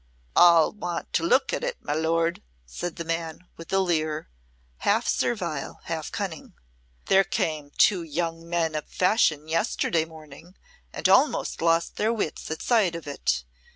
"All want to look at it, my Lord," said the man, with a leer, half servile, half cunning. "There came two young gentlemen of fashion yesterday morning, and almost lost their wits at sight of it.